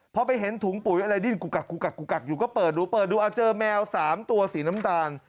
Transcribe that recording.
พอไปเห็นถุงปุ๋ยอะไรดิ้นกุกักอยู่ก็เปิดดูเปิดดูเอาเจอแมว๓ตัวสีน้ำตาล